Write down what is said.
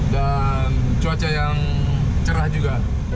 dan cuaca yang cerah juga